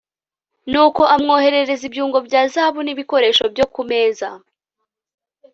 nuko amwoherereza ibyungo bya zahabu n'ibikoresho byo ku meza